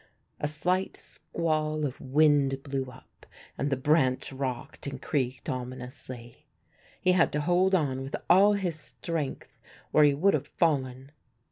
A slight squall of wind blew up and the branch rocked and creaked ominously. He had to hold on with all his strength or he would have fallen.